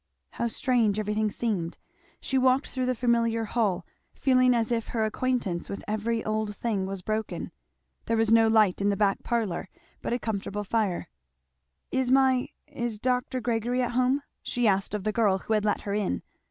How strange everything seemed. She walked through the familiar hall, feeling as if her acquaintance with every old thing was broken. There was no light in the back parlour, but a comfortable fire. "Is my is Dr. Gregory at home?" she asked of the girl who had let her in.